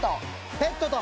ペットと。